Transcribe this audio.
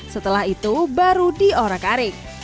setelah itu baru diorak arik